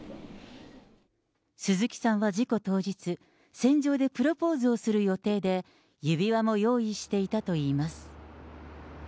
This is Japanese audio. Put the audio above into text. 鈴木さんは事故当日、船上でプロポーズをする予定で、指輪も用意していたといいます。